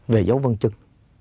về dấu vân chân